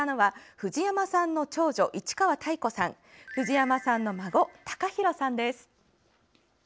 藤山さんの孫・卓広さんです。